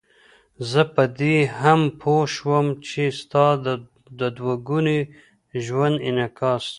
زه په دې هم پوه شوم چې ستا د دوه ګوني ژوند انعکاس.